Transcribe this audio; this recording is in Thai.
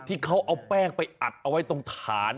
ที่เขาเอาแป้งไปอัดเอาไว้ตรงฐาน